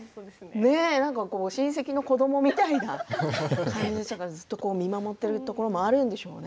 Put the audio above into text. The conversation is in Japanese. なんか親戚の子どもみたいな感じでしたからずっと見守ってるところもあるんでしょうね。